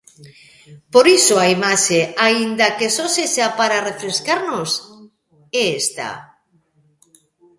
Por iso a imaxe, aínda que só sexa para refrescarnos, é esta.